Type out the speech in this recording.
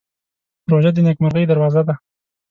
روژه د نېکمرغۍ دروازه ده.